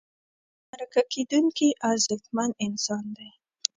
مرکه کېدونکی ارزښتمن انسان دی.